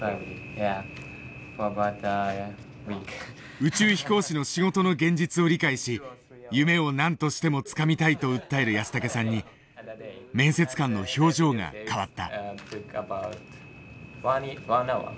宇宙飛行士の仕事の現実を理解し夢を何としてもつかみたいと訴える安竹さんに面接官の表情が変わった。